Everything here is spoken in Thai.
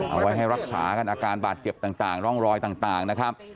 เอาไว้ให้รักษากันอาการบาดเจ็บต่างร่องรอยต่างนะครับ